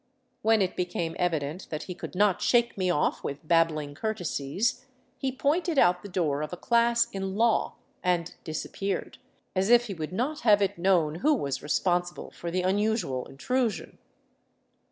When it became evident that he could not shake me off with babbling courtesies, he pointed out the door of a class in law and disappeared, as if he would not have it known who was responsi ble for the unusual intrusion.